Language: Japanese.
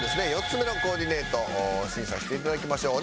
４つ目のコーディネートを審査していただきましょう。